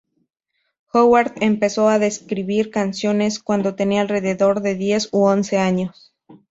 Howard empezó a escribir canciones cuando tenía alrededor de diez u once años.